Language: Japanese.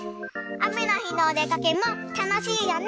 あめのひのおでかけもたのしいよね。